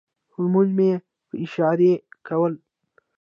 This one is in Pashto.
لمونځونه مې په اشارې کول.